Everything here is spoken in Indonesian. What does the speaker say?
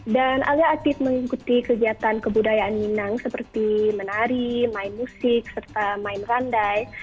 dan alia aktif mengikuti kegiatan kebudayaan minang seperti menari main musik serta main randai